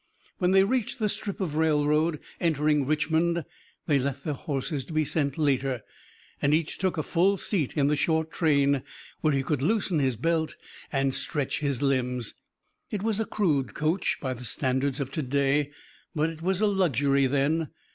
When they reached the strip of railroad entering Richmond they left their horses to be sent later, and each took a full seat in the short train, where he could loosen his belt, and stretch his limbs. It was a crude coach, by the standards of to day, but it was a luxury then.